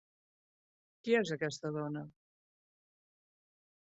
Qui és aquesta dona?